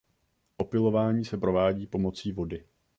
Opylování se provádí pomocí vody.